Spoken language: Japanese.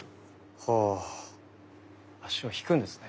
足を引くんですね。